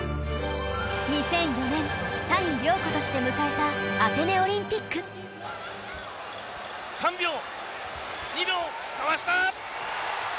２００４年谷亮子として迎えたアテネオリンピック３秒２秒かわした！